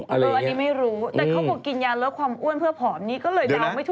อันนี้ไม่รู้